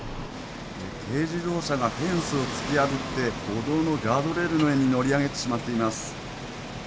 軽自動車がフェンスを突き破って、歩道のガードレールの上に乗り上げてしまっています。